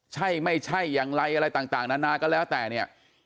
ใช่ไม่ใช่อย่างไรอะไรต่างนานาก็แล้วแต่เนี่ย